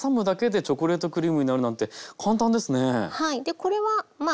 これはまあ